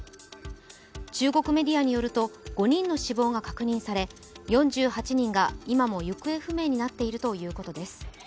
中国メディアによると、５人の死亡が確認され、４８人が今も行方不明になっているということです。